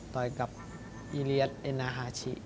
ต่อยกับอีเรียสเอ็นาฮาชิ